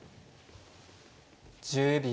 １０秒。